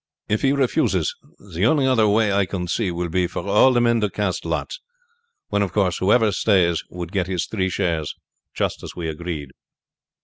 If he refuses, the only other way I can see will be for all the men to cast lots, when, of course, whoever stays would get his three shares as we agreed."